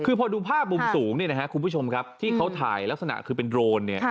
คือพอดูภาพมุมสูงที่เขาถ่ายลักษณะเป็นโดรน